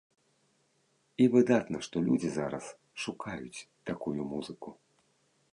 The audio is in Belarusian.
І выдатна, што людзі зараз шукаюць такую музыку.